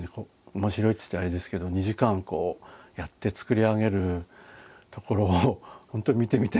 面白いって言ったらあれですけど２時間やって作り上げるところを本当に見てみたいですよね。